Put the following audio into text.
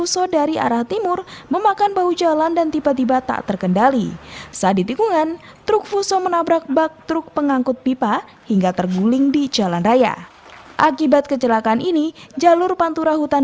sementara diduga mengantuk dua truk terlibat kecelakaan